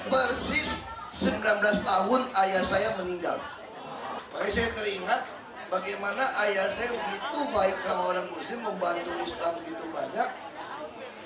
persis sembilan belas tahun ayah saya meninggal